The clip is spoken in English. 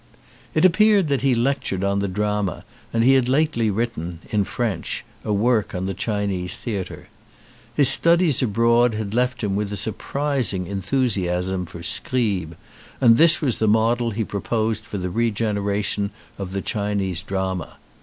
It appeared that he lectured on the drama and he had lately written, in French, a work on the Chinese theatre. His studies abroad had left him with a surprising enthusiasm for Scribe, and this was the model he proposed for the regeneration of the Chinese drama.